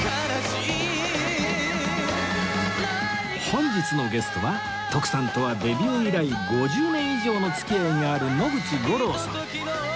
本日のゲストは徳さんとはデビュー以来５０年以上の付き合いがある野口五郎さん